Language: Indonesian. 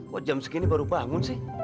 kok jam segini baru bangun sih